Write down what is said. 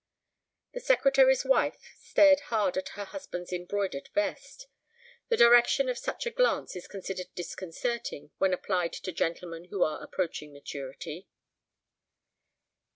The secretary's wife stared hard at her husband's embroidered vest. The direction of such a glance is considered disconcerting when applied to gentlemen who are approaching maturity.